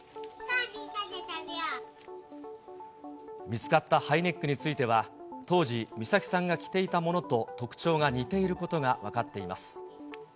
見つかったハイネックについては、当時、美咲さんが着ていたものと特徴が似ていることが分かっています。